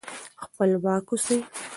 خپلواک اوسئ.